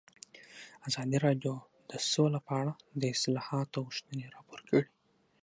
ازادي راډیو د سوله په اړه د اصلاحاتو غوښتنې راپور کړې.